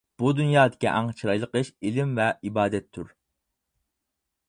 بۇ دۇنيادىكى ئەڭ چىرايلىق ئىش ئىلىم ۋە ئىبادەتتۇر.